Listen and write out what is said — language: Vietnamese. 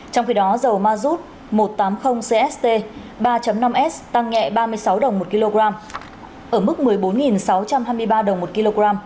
trong khi đó dầu mazut một trăm tám mươi cst ba năm s tăng nhẹ ba mươi sáu đồng một kg ở mức một mươi bốn sáu trăm hai mươi ba đồng một kg